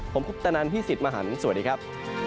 ผมคุปตะนันพี่สิทธิ์มหันฯสวัสดีครับ